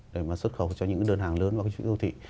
để mà xuất khẩu cho những cái đơn hàng lớn vào các chuỗi siêu thị